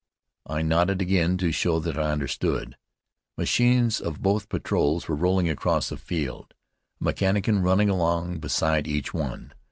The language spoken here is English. I nodded again to show that I understood. Machines of both patrols were rolling across the field, a mechanician running along beside each one.